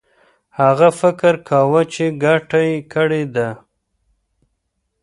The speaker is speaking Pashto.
هغه فکر کاوه چي ګټه یې کړې ده.